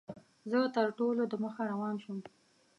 زه تر ټولو دمخه روان شوم.